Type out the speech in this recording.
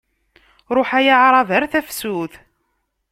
Ṛuḥ ay aɛṛab ar tafsut.